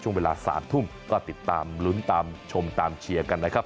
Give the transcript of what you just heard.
ช่วงเวลา๓ทุ่มก็ติดตามลุ้นตามชมตามเชียร์กันนะครับ